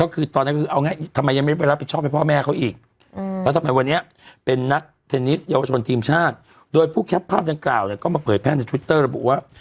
ก็มาเปิดแพงต์ที่ทวิตเตอร์แล้วบอกว่า